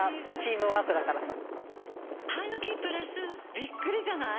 びっくりじゃない？